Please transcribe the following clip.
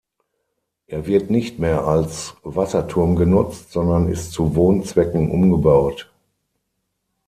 Er wird nicht mehr als Wasserturm genutzt, sondern ist zu Wohnzwecken umgebaut.